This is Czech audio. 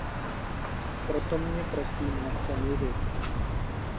Proto mě, prosím, nechte mluvit.